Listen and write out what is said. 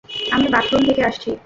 আমি বাথরুম থেকে আসছি।